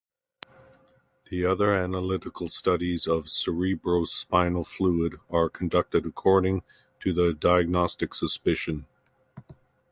The other analytical studies of cerebrospinal fluid are conducted according to the diagnostic suspicion.